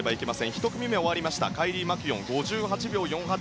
１組目が終わってカイリー・マキュオン５８秒４８。